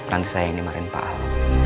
nanti saya yang dimarin pak al